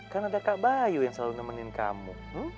kan ada kak bayu yang selalu nemenin kamu